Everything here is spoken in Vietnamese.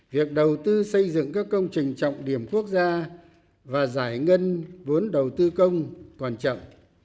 việc đầu tư xây dựng các công trình trọng điểm quốc gia và giải ngân vốn đầu tư công còn chậm